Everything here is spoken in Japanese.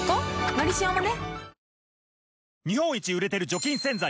「のりしお」もね